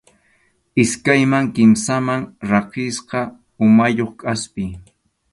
Iskayman kimsaman rakisqa umayuq kʼaspi.